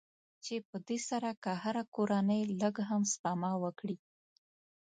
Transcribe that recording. چې په دې سره که هره کورنۍ لږ هم سپما وکړي.